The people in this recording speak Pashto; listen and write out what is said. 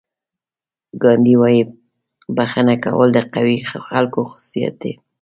ګاندي وایي بښنه کول د قوي خلکو خصوصیت دی.